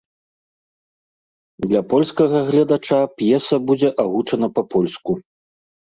Для польскага гледача п'еса будзе агучана па-польску.